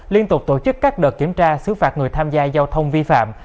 liên tục tổ chức các đợt kiểm tra xứ phạt người tham gia giao thông vi phạm